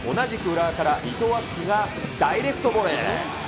同じく浦和から伊藤敦樹がダイレクトボレー。